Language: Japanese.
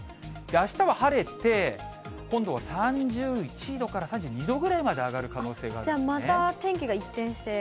あしたは晴れて、今度は３１度から３２度ぐらいまで上がる可能性じゃあまた天気が一転して。